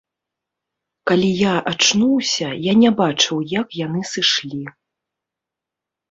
Калі я ачнуўся, я не бачыў як яны сышлі.